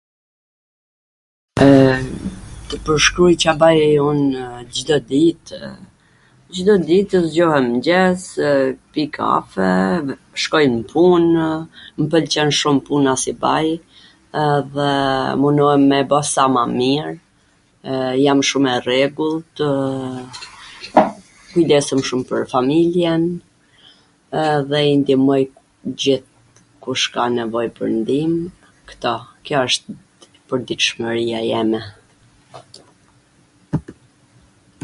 e, tw pwrshkruj Ca baj unw Cdo dit, Cdo ditw zgjohem n mwngjes, pi kafe, shkoj n punw, mw pwlqen shum puna si baj, edhe munohem me e ba sa ma mir, jam shum e rregulltwww, kujdesem shum pwr familjen edhe i ndimoj t gjith kush ka nevoj pwr ndim, kto, kjo wsht pwrditshmwria jeme.